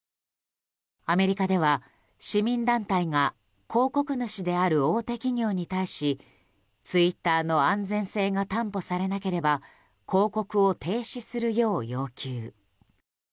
アメリカでは、市民団体が広告主である大手企業に対しツイッターの安全性が担保されなければ広告を停止するよう要求。